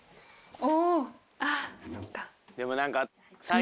お！